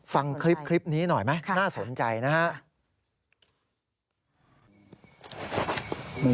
ฟังคลิปนี้หน่อยไหมน่าสนใจนะครับ